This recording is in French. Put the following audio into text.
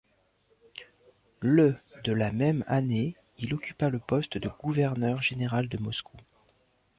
Le de la même année, il occupa le poste de gouverneur général de Moscou.